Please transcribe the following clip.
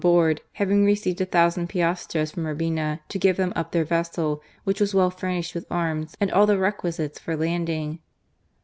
board, having received a thousand piastres from Urbina to give them up their vessel, which was well furnished with arms and all requisites for landing.